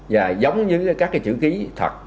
và giống như các chữ ký thật